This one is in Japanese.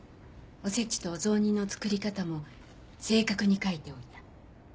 お節とお雑煮の作り方も正確に書いておいた